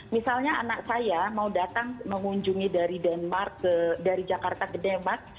misalnya anak saya mau datang mengunjungi dari jakarta ke denmark